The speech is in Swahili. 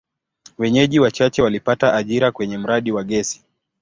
Wenyeji wachache walipata ajira kwenye mradi wa gesi.